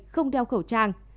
không đeo khẩu trang